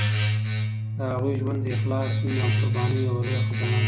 د هغوی ژوند د اخلاص، مینې او قربانۍ یوه لویه خزانه ده.